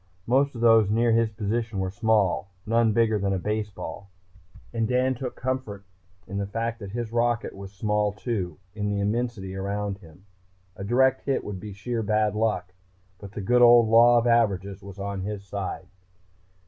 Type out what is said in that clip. Most of those near his position were small, none bigger than a baseball, and Dan took comfort in the fact that his rocket was small too, in the immensity around him. A direct hit would be sheer bad luck, but the good old law of averages was on his side.